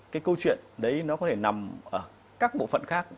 cái câu chuyện đấy nó có thể nằm ở các bộ phận khác